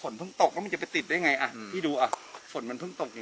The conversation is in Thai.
ฝนเผ็งตกแล้วมันจะไปติดได้ไงยินดูอ่ะฝนมันเผ็งตกอย่าง